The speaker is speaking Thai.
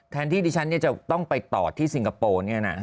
แทนที่ฉันจะต้องไปต่อที่สิงคโปร์